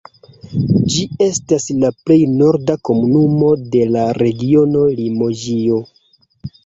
Ĝi estas la plej norda komunumo de la regiono Limoĝio.